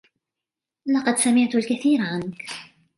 لقد سمعت الكثير عنك